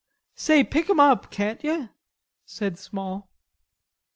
"Say, pick 'em up, can't yer?" said Small.